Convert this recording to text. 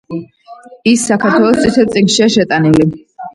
ის საქართველოს წითელ წიგნშია შეტანილი.